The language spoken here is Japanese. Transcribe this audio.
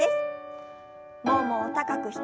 ももを高く引き上げて。